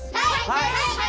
はい！